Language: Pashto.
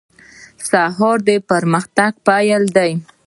سهار د پرمختګ پیل دی.